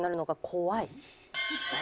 怖い。